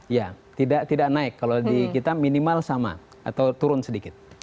ya tidak naik kalau di kita minimal sama atau turun sedikit